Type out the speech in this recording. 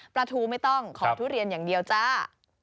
ปลาทูไม่ต้องขอทุเรียนอย่างเดียวจ้า